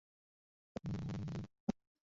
সেলুন-গাড়ি থেকে একটা মস্ত তাড়ার আওয়াজ কুমু শুনতে পেলে।